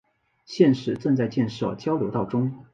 现时正在建设交流道中。